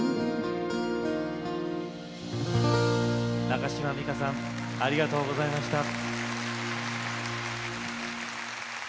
中島美嘉さんありがとうございました。